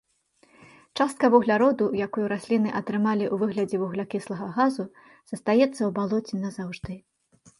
Частка вугляроду, якую расліны атрымалі ў выглядзе вуглякіслага газу, застаецца ў балоце назаўжды.